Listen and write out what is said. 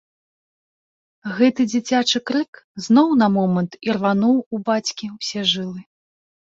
Гэты дзіцячы крык зноў на момант ірвануў у бацькі ўсе жылы.